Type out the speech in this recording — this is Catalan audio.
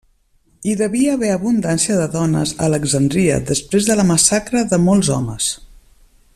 Hi devia haver abundància de dones a Alexandria després de la massacre de molts homes.